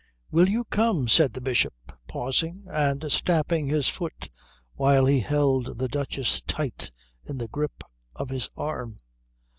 "Will you come?" said the Bishop, pausing and stamping his foot, while he held the Duchess tight in the grip of his arm.